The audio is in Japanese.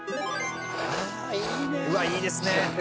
うわあいいですねえ！